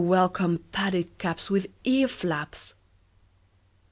welcome padded caps with ear flaps!